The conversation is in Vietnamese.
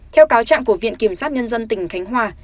theo cáo trạng của viện kiểm sát nhân dân tỉnh khánh hòa